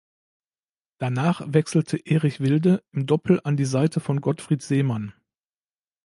Danach wechselte Erich Wilde im Doppel an die Seite von Gottfried Seemann.